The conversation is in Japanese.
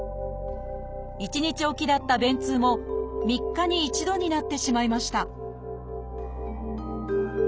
１日置きだった便通も３日に一度になってしまいました